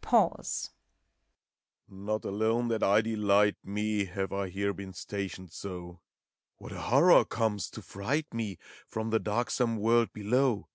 Pause. Not alone that I delight me. Have I here been stationed so :— What a horror comes, to fright me. From the darksome world below!